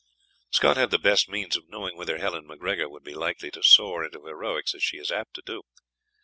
Scott had the best means of knowing whether Helen MacGregor would be likely to soar into heroics as she is apt to do.